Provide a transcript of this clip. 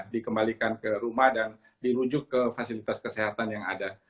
dikembalikan ke rumah dan dirujuk ke fasilitas kesehatan yang ada